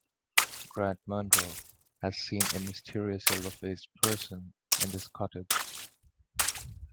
Grant Munro has seen a mysterious yellow-faced person in this cottage.